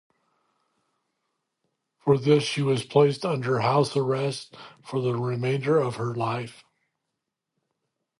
For this she was placed under house arrest for the remainder of her life.